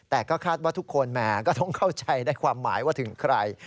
แต่ก็คาดว่าทุกคนแหมก็ต้องเข้าใจในความหมายว่าถึงใคร